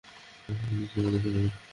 ইচ্ছে মত সরাবে?